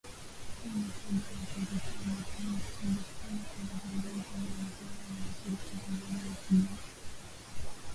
Hii ni kabla ya kuelekea Madrid, Uhispania kwa mazungumzo na wenzao wa ushirika wa Umoja wa Kujihami wa nchi za Magharibi